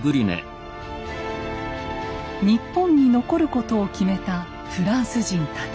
日本に残ることを決めたフランス人たち。